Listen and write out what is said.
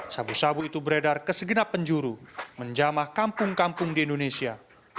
sabu sabu itu beredar ke segenap penjuru menjamah kampung kampung di indonesia